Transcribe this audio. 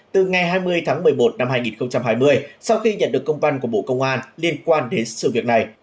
từ ngày hai mươi tháng một mươi một năm hai nghìn hai mươi sau khi nhận được công văn của bộ công an liên quan đến sự việc này